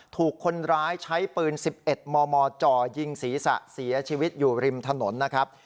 ถูกคนร้ายใช้ปืน๑๑มมจ่อยิงศีรษะเสียชีวิตอยู่ริมถนนนะครับ